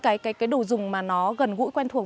cũng tắng đúng không